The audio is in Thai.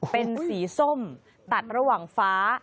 เป็นสีส้มตัดระหว่างฟ้า